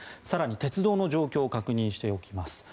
更に鉄道の状況を確認しておきます。